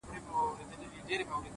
سوال کوم کله دي ژړلي گراني !